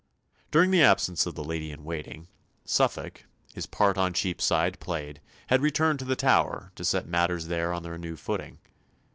During the absence of the Lady in waiting, Suffolk, his part on Cheapside played, had returned to the Tower, to set matters there on their new footing.